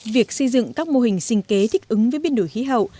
việc xây dựng các mô hình sinh kế thích ứng với biến đổi khí hậu